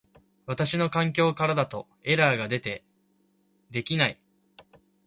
私の環境からだとエラーが出て出来ない